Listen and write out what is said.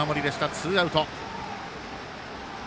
ツーアウト。